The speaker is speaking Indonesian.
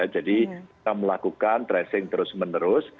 jadi kita melakukan tracing terus menerus